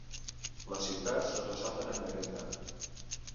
Les ciutats es ressalten en negreta.